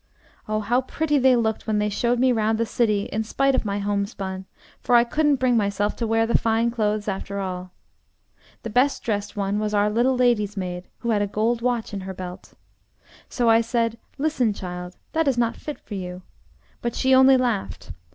Oh, how pretty they looked when they showed me round the city in spite of my homespun, for I couldn't bring myself to wear the fine clothes, after all. The best dressed one was our little lady's maid, who had a gold watch in her belt. So I said: 'Listen, child, that is not fit for you.' But she only laughed.